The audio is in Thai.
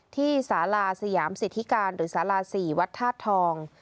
ที่สาลาสยามสิทธิการหรือสาลา๔วัดธาตุทอง